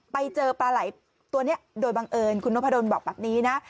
ไปเจอปลาไหล่ตัวนี้โดยบังเอิญคุณนพดลบอกแบบนี้นะ